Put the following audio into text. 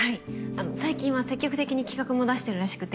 あの最近は積極的に企画も出してるらしくて。